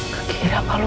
kekira apa lurus